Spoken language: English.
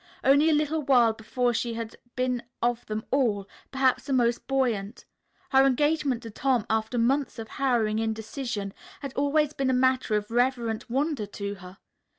Only a little while before she had been of them all perhaps the most buoyant. Her engagement to Tom, after months of harrowing indecision, had always been a matter of reverent wonder to her.